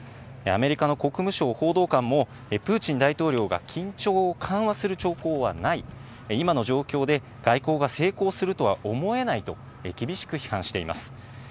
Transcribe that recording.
アメリカの国務省報道官もプーチン大統領が緊張を緩和する兆候はない、今の状況で外交が成功するとは思えないと、厳しく批判しています。